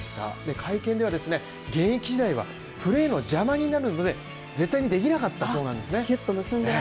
会見では現役時代はプレーの邪魔になるので絶対にできなかったそうなんですね。